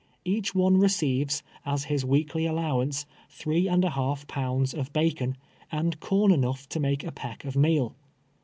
Each one re ceives, as his weekly allowance, three and a half pounds of bacon, and corn enough to make a j^eck of meal.